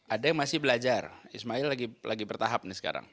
ada yang masih belajar ismail lagi bertahap nih sekarang